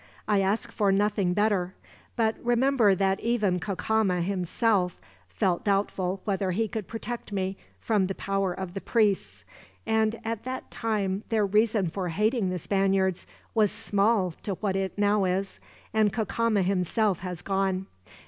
I ask for nothing better; but remember that even Cacama, himself, felt doubtful whether he could protect me from the power of the priests and at that time their reason for hating the Spaniards was small to what it now is, and Cacama himself has gone.